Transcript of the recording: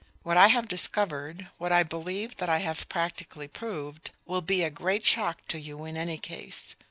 What I have discovered what I believe that I have practically proved will be a great shock to you in any case.